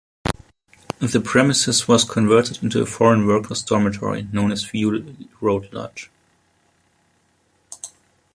The premises was converted into a foreign workers dormitory known as View Road Lodge.